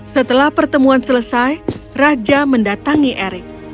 setelah pertemuan selesai raja mendatangi erik